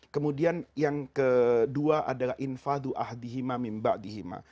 kemudian yang kedua adalah infadu'ah dihima mimba' dihima